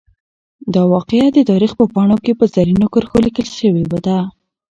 دا واقعه د تاریخ په پاڼو کې په زرینو کرښو لیکل شوې ده.